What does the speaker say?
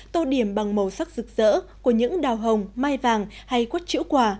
tô điểm bằng màu sắc rực rỡ của những đào hồng mai vàng hay quất chữ quả